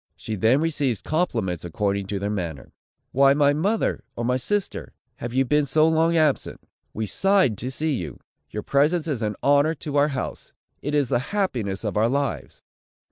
She then receives compliments according to their manner: "Why, my mother, or my sister, have you been so long absent? We sighed to see you! Your presence is an honor to our house! It is the happiness of our lives!"